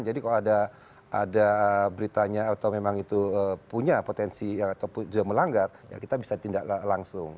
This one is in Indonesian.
jadi kalau ada beritanya atau memang itu punya potensi atau melanggar ya kita bisa tindak langsung